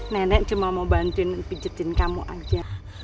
nenek cuma mau bantuin pijetin kamu aja